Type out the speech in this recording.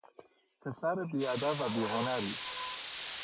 ... پسر بیادب و بیهنری